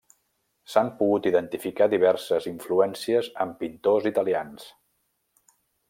S'han pogut identificar diverses influències en pintors italians.